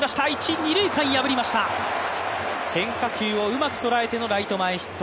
変化球をうまく捉えてのライト前ヒット。